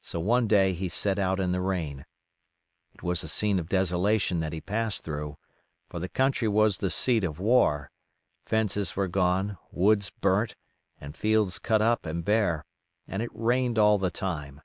So one day he set out in the rain. It was a scene of desolation that he passed through, for the country was the seat of war; fences were gone, woods burnt, and fields cut up and bare; and it rained all the time.